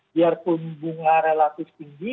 biarpun bunga relatif tinggi